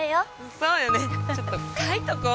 そうよねちょっと書いとこう。